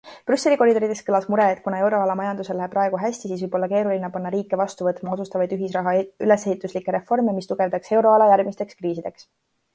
Brüsseli koridorides kõlas mure, et kuna euroala majandusel läheb praegu hästi, siis võib olla keeruline panna riike vastu võtma otsustavaid ühisraha ülesehituslike reforme, mis tugevdaks euroala järgmisteks kriisideks.